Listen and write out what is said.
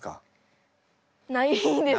ないんです。